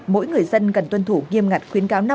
mỗi người dân cần tuân thủ nghiêm ngặt khuyến cáo năm